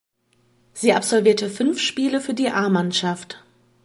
Sie absolvierte fünf Spiele für die A-Mannschaft.